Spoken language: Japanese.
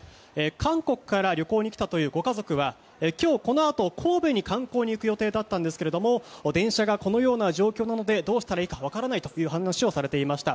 韓国から旅行に来たというご家族は今日このあと神戸に観光に行く予定だったんですが電車がこのような状況なのでどうしたらいいかわからないという話をされていました。